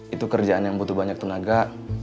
itu kerjaan yang butuh banyak tenaga